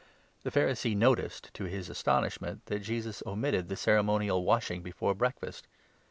The Pharisee noticed, to 38 LUKE, 11 12. 133 his astonishment, that Jesus omitted the ceremonial washing before breakfast.